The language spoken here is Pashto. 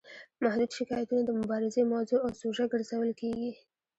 محدود شکایتونه د مبارزې موضوع او سوژه ګرځول کیږي.